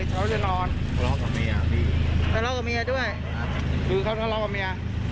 เขาเล่ากับเมียด้วยหรือเขาเล่ากับเมีย